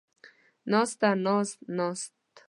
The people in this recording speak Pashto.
ناسته ، ناز ، ناست